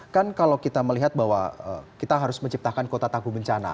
kan kalau kita melihat bahwa kita harus menciptakan kota tagu bencana